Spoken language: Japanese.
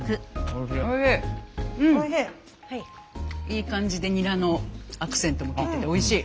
いい感じでニラのアクセントもきいてておいしい。